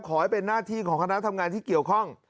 ขอให้เป็นหน้าที่ของคณะทำงานที่เกี่ยวข้อง